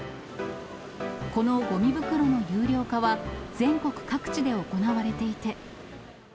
このごみ袋の有料化は、全国各地で行われていて。